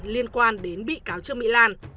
liên quan đến bị cáo trương mỹ lan